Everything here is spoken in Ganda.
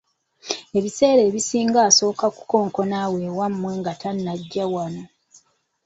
Ebiseera ebisinga asooka kukonkona awo ewammwe nga tanajja wano.